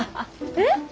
えっ！？